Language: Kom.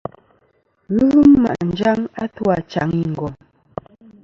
Ghɨ lum ma' njaŋ a tu achaŋ i ngom.